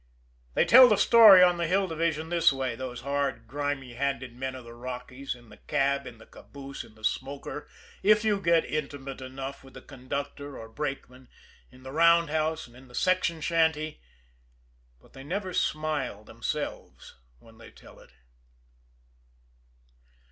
They tell the story on the Hill Division this way, those hard, grimy handed men of the Rockies, in the cab, in the caboose, in the smoker, if you get intimate enough with the conductor or brakeman, in the roundhouse and in the section shanty but they never smile themselves when they tell it.